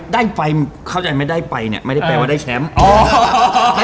ได้ไฟเข้าใจไม่ได้ไปเนี่ยไม่ได้แปลว่าได้แชมป์อ๋อ